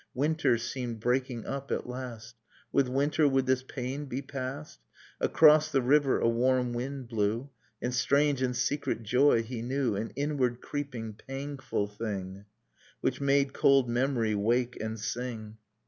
Winter seemed breakhig up at last: With winter would this pain be past? Across the river a warm wind blew. And strange and secret joy he knew : An inward creeping pangful thing Which made cold memory wake and sing.